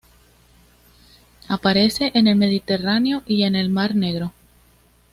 Aparece en el Mediterráneo y en el Mar Negro.